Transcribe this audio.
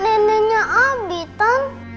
oma kan nenenya abi tante